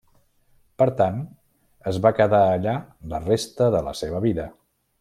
Per tant, es va quedar allà la resta de la seva vida.